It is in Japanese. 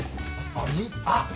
あっ。